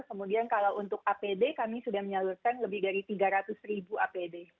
kemudian kalau untuk apd kami sudah menyalurkan lebih dari tiga ratus ribu apd